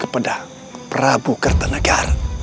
kepada prabu kertanegara